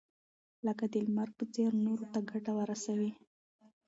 لکه د لمر په څېر نورو ته ګټه ورسوئ.